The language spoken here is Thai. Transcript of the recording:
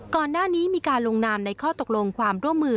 ก่อนหน้านี้มีการลงนามในข้อตกลงความร่วมมือ